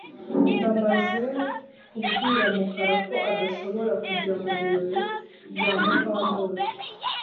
Ndamaze kubwira Mukara ko adashobora kujya mubirori bya Mukandoli